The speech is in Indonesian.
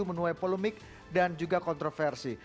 menue polomik dan juga kontroversi